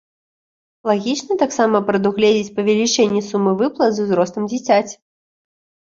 Лагічна таксама прадугледзець павелічэнне сумы выплат з узростам дзіцяці.